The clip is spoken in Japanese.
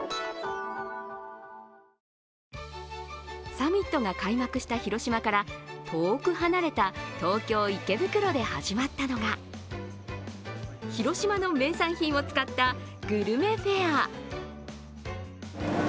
サミットが開幕した広島から遠く離れた東京・池袋で始まったのが広島の名産品を使ったグルメフェア。